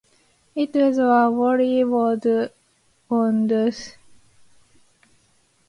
It is a wholly owned subsidiary of Lufthansa.